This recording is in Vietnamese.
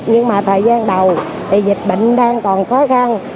nhưng mà thời gian đầu thì dịch bệnh đang còn khó khăn